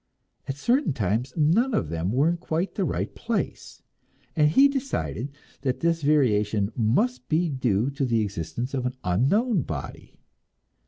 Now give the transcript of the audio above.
At certain times none of them were in quite the right place, and he decided that this variation must be due to the existence of an unknown body.